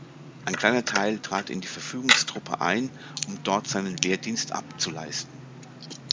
Ein kleiner Teil trat in die Verfügungstruppe ein, um dort seinen Wehrdienst abzuleisten.